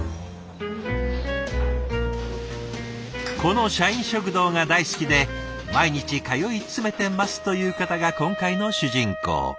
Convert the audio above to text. この社員食堂が大好きで毎日通い詰めてますという方が今回の主人公。